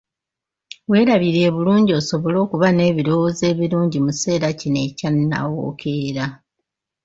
Weerabirire bulungi osobole okuba n’ebirowoozo ebirungi mu kiseera kino ekya nnawookeera.